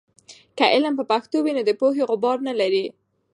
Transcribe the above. که علم په پښتو وي، نو د پوهې غبار نلري.